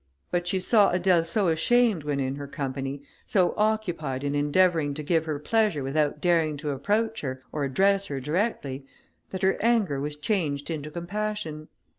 But she saw Adèle so ashamed when in her company, so occupied in endeavouring to give her pleasure without daring to approach her, or address her directly, that her anger was changed into compassion.